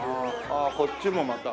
ああこっちもまた。